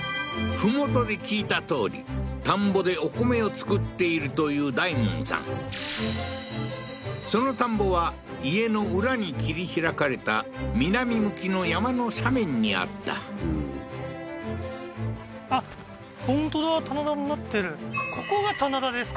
麓で聞いたとおり田んぼでお米を作っているという大門さんその田んぼは家の裏に切り開かれた南向きの山の斜面にあったここが棚田ですか？